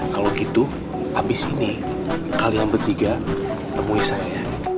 kalau gitu abis ini kalian bertiga temui saya ya